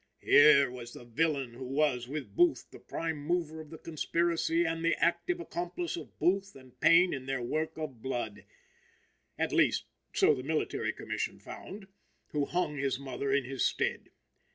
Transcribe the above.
Here was the villain who was, with Booth, the prime mover of the conspiracy and the active accomplice of Booth and Payne in their work of blood. At least, so the Military Commission found, who hung his mother in his stead.